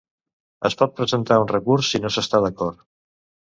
Es pot presentar un recurs si no s'està d'acord?